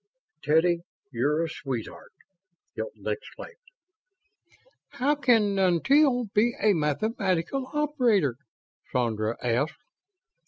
"Teddy, you're a sweetheart!" Hilton exclaimed. "How can 'until' be a mathematical operator?" Sandra asked.